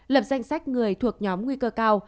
lập danh sách người thuộc nhóm nguy cơ cao